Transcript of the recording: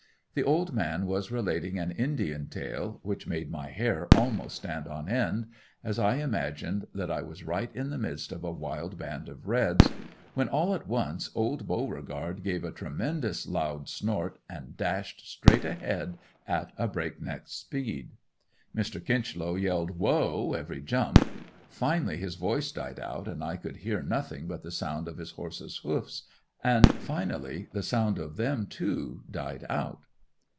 The old man was relating an indian tale, which made my hair almost stand on end, as I imagined that I was right in the midst of a wild band of reds, when all at once old Beauregard gave a tremendous loud snort and dashed straight ahead at a break neck speed. Mr. Kinchlow yelled "whoa," every jump; finally his voice died out and I could hear nothing but the sound of his horse's hoofs, and finally the sound of them too, died out.